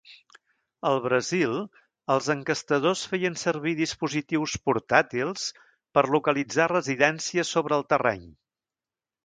Al Brasil, els enquestadors feien servir dispositius portàtils per localitzar residències sobre el terreny.